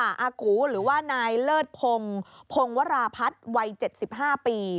อากูหรือว่านายเลิศพงพงวราพัฒน์วัย๗๕ปี